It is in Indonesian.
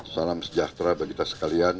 salam sejahtera bagi kita sekalian